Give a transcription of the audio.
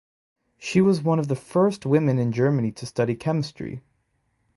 She was one of the first women in Germany to study chemistry.